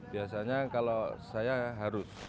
biasanya kalau saya harus